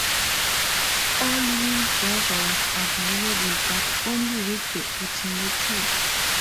All-wheel-drive was available, but only with the automatic.